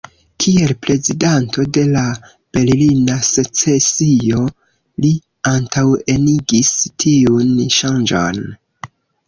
Kiel prezidanto de la "Berlina secesio" li antaŭenigis tiun ŝanĝon.